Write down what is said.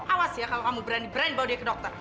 awas ya kalau kamu berani brand bawa dia ke dokter